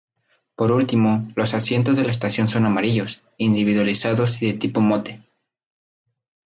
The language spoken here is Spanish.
Por último, los asientos de la estación son amarillos, individualizados y de tipo "Motte".